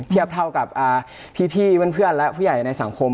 เทียบเท่ากับพี่เพื่อนและผู้ใหญ่ในสังคม